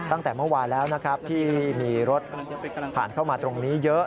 ตั้งแต่เมื่อวานแล้วนะครับที่มีรถผ่านเข้ามาตรงนี้เยอะ